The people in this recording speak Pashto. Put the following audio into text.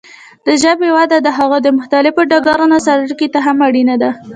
د ژبې وده د هغه د مختلفو ډګرونو سره اړیکې ته هم اړینه ده.